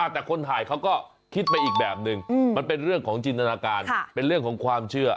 แต่คนถ่ายเขาก็คิดไปอีกแบบนึงมันเป็นเรื่องของจินตนาการเป็นเรื่องของความเชื่อ